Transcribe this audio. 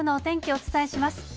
お伝えします。